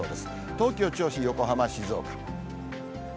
東京、銚子、横浜、静岡。